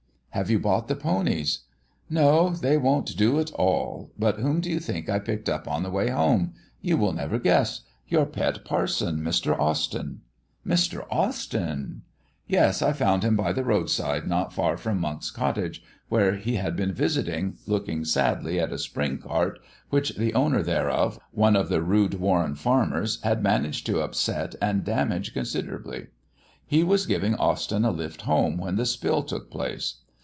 "Have you bought the ponies?" "No; they won't do at all. But whom do you think I picked up on the way home? You will never guess. Your pet parson, Mr. Austyn." "Mr. Austyn!" "Yes; I found him by the roadside not far from Monk's cottage, where he had been visiting, looking sadly at a spring cart, which the owner thereof, one of the Rood Warren farmers, had managed to upset and damage considerably. He was giving Austyn a lift home when the spill took place.